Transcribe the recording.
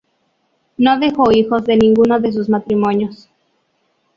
No dejó hijos de ninguno de sus matrimonios.